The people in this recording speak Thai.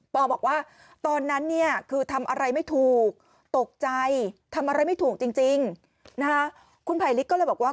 บอกว่าตอนนั้นเนี่ยคือทำอะไรไม่ถูกตกใจทำอะไรไม่ถูกจริงนะคะคุณไผลลิกก็เลยบอกว่า